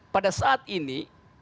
pada saat ini